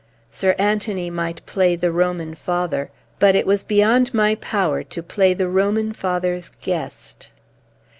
Sir Anthony might play the Roman father, but it was beyond my power to play the Roman father's guest.